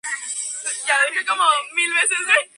Las temperaturas son frías en invierno y frescas en verano.